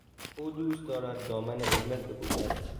او دوست دارد دامن قرمز بپوشد.